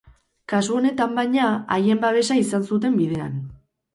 Kasu honetan, baina, haien babesa izan zuten bidean.